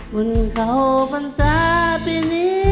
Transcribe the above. วันเข้ามันจะปีนี้